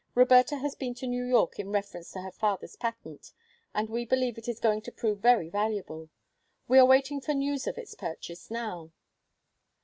Roberta has been to New York in reference to her father's patent, and we believe it is going to prove very valuable; we are waiting for news of its purchase now."